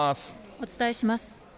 お伝えします。